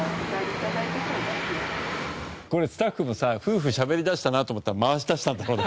これスタッフもさ夫婦喋り出したなと思ったら回し出したんだろうね